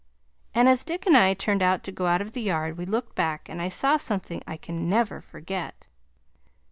And as Dick and I turned to go out of the yard we looked back and I saw something I can never forget.